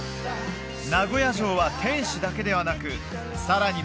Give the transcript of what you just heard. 名古屋城は天守だけではなくさらに